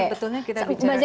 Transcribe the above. sebetulnya kita bicara